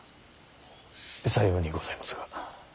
さようにございますが。